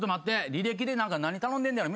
履歴で何頼んでんねやろう。